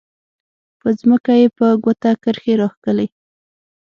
په ځمکه یې په ګوته کرښې راښکلې.